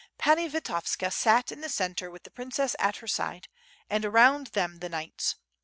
Pani Vitovska sat in the centre with the princess at her side, and around them the knights.